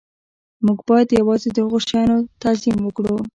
موږ باید یوازې د هغو شیانو تعظیم وکړو